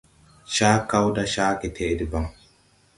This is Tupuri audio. Cakaw da ca getɛʼ debaŋ.